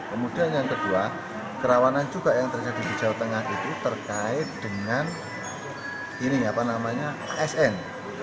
kemudian yang kedua kerawanan juga yang terjadi di jawa tengah itu terkait dengan asn